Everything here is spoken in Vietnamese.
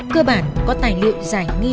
cơ bản có tài liệu giải nghi